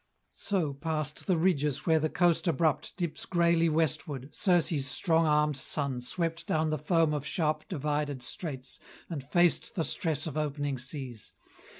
So, past the ridges where the coast abrupt Dips greyly westward, Circe's strong armed son Swept down the foam of sharp divided straits And faced the stress of opening seas.